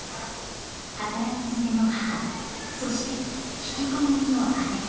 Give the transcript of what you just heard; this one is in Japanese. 働きづめの母そして引きこもりの姉。